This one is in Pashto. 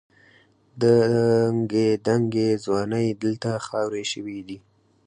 دنګې دنګې ځوانۍ دلته خاورې شوې دي.